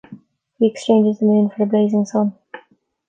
He exchanges the moon for the blazing sun.